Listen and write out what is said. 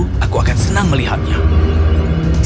sang raksasa berubah menjadi singa besar yang kuat